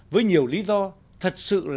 sáu di dân và di tản toàn cầu